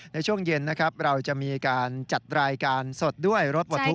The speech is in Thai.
ในช่วงเย็นนะครับเราจะมีการจัดรายการสดด้วยรถปลดทุกข